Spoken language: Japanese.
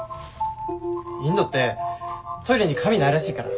インドってトイレに紙ないらしいから。